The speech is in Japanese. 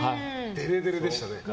デレデレでしたね。